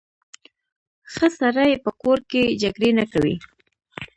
ښه سړی په کور کې جګړې نه کوي.